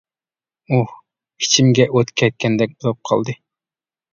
ئۇھ، ئىچىمگە ئوت كەتكەندەك بولۇپ قالدى.